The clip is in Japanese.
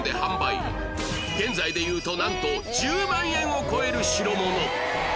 現在でいうとなんと１０万円を超える代物